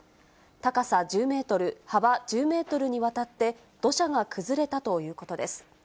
高さ１０メートル、幅１０メートルにわたって、土砂が崩れたということです。